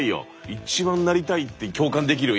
一番なりたいって共感できるよ